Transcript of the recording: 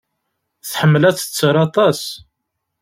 Tḥemmel ad tetter aṭas.